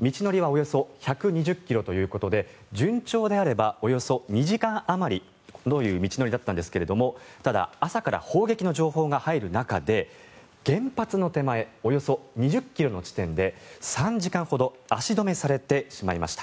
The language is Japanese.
道のりはおよそ１２０ｋｍということで順調であればおよそ２時間あまりという道のりだったんですがただ、朝から砲撃の情報が入る中で原発の手前およそ２０ｋｍの地点で３時間ほど足止めされてしまいました。